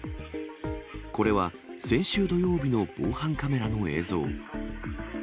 これは先週土曜日の防犯カメラの映像。